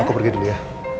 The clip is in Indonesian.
aku pergi dulu ya